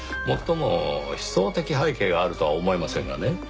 もっとも思想的背景があるとは思えませんがね。